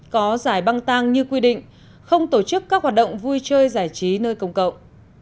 có giải băng tang như quy định không tổ chức các hoạt động vui chơi giải trí nơi công cộng